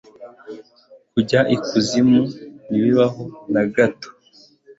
Kurya ikuzimu ntibibaho nagato